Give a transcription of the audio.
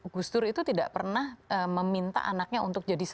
gus dur itu tidak pernah meminta anaknya untuk jadi